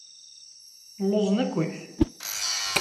Lluẓen akkit?